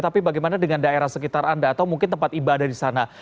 tapi bagaimana dengan daerah sekitar anda atau mungkin tempat ibadah di sana